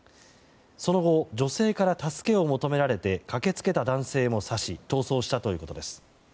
その後女性から助けを求められて駆けつけた男性も刺し逃走したということです。